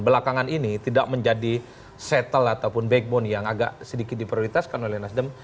belakangan ini tidak menjadi settle ataupun backbone yang agak sedikit diprioritaskan oleh nasdem